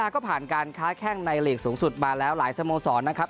ก็ผ่านการค้าแข้งในหลีกสูงสุดมาแล้วหลายสโมสรนะครับ